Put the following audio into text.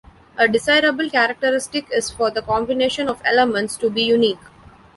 A desirable characteristic is for the combination of elements to be unique.